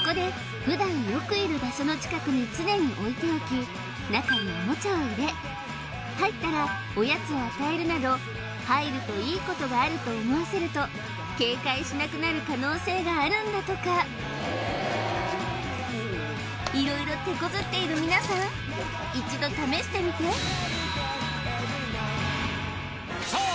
そこで中にオモチャを入れ入ったらおやつを与えるなど入るといいことがあると思わせると警戒しなくなる可能性があるんだとか色々てこずっている皆さん一度試してみてさあ